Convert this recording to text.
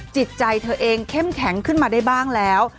จิตใจเธอเองเข้มแข็งขึ้นมาได้บ้างแล้ว